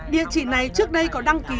địa chỉ này trước đây có đăng ký